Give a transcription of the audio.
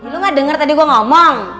lu gak denger tadi gue ngomong